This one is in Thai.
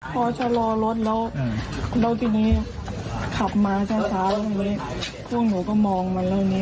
พอชะลอรถแล้วแล้วที่นี้ขับมาซ่านซ่าเพราะว่านี่คุณหนูก็มองมาเรื่องนี้